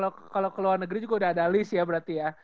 kalau ke luar negeri juga udah ada list ya berarti ya